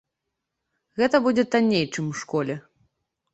Гэта будзе танней, чым у школе.